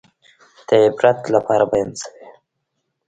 د عبرت لپاره بیان شوي.